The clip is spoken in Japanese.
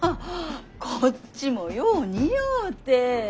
こっちもよう似合うて。